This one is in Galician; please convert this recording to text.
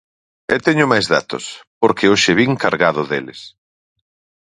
E teño máis datos, porque hoxe vin cargado deles.